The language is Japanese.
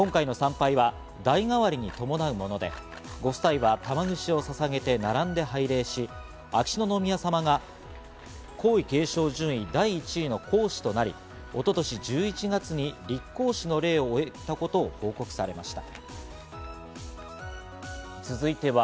今回の参拝は代がわりに伴うもので、ご夫妻は玉串をささげて並んで拝礼し、秋篠宮さまが皇位継承順位第１位の皇嗣となり、一昨年１１月に立皇嗣の礼を終えたことを報告されました。